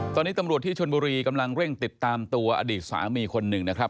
ตอนนี้ตำรวจที่ชนบุรีกำลังเร่งติดตามตัวอดีตสามีคนหนึ่งนะครับ